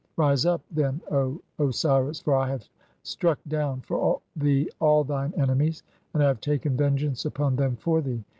Rise up, "then, O Osiris, (5) for I have struck down for thee all thine "enemies, and I have taken vengeance upon them for thee.